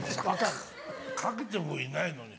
かけてもいないのに。